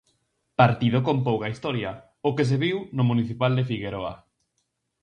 Partido con pouca historia, o que se viu no municipal de Figueroa.